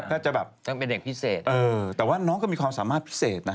มันก็สิรภาพ